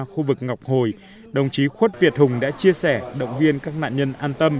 khu vực ngọc hồi đồng chí khuất việt hùng đã chia sẻ động viên các nạn nhân an tâm